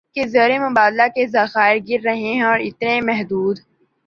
کہ زر مبادلہ کے ذخائر گر رہے ہیں اور اتنے محدود